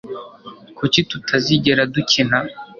kuki tutazigera dukina